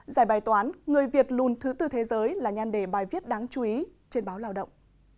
giải bài toán người việt lùn thứ tư thế giới là nhan đề bài viết đáng chú ý trên báo lao động